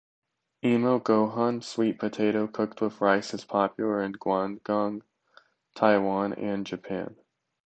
"Imo-gohan", sweet potato cooked with rice, is popular in Guangdong, Taiwan and Japan.